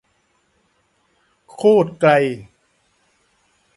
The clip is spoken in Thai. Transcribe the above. โคตรไกล